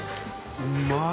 うまい！